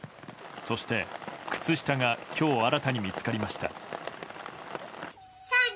そして、靴下が今日新たに見つかりました。